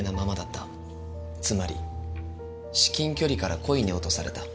つまり至近距離から故意に落とされた。